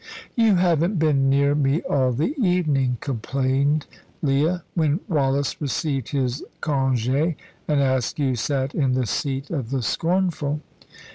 "You haven't been near me all the evening," complained Leah, when Wallace received his congé and Askew sat in the seat of the scornful.